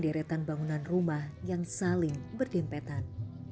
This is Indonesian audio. deretan bangunan rumah yang saling berdempetan